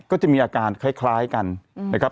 ก็จะมีอาการคล้ายกันนะครับ